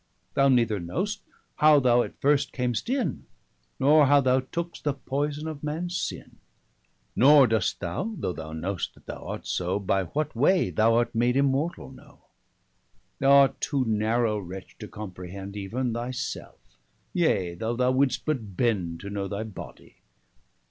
Thou neither know'st, how thou at first cam'st in, Nor how thou took'st the poyson of mans sinne. Nor dost thou, (though thou know'st, that thou art so) By what way thou art made immortall, know. 260 Thou art too narrow, wretch, to comprehend Even thy selfe: yea though thou wouldst but bend To know thy body.